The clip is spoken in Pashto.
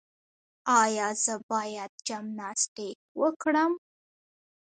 ایا زه باید جمناسټیک وکړم؟